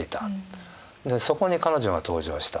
でそこに彼女が登場した。